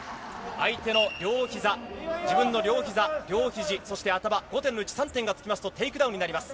相手の両ひざ、自分の両ひざ両ひじそして頭５点のうち３点が付きますとテイクダウンになります。